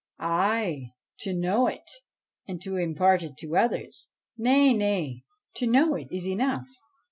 ' Ay to know it, and to impart it to others.' 1 Nay, nay ; to know it is enough.